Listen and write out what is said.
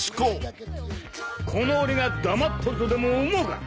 この俺が黙っとるとでも思うか。